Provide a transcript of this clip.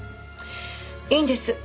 いいんです。